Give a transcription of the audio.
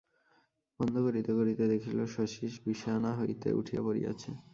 বন্ধ করিতে করিতে দেখিল, শচীশ বিছানা হইতে উঠিয়া পড়িয়াছে।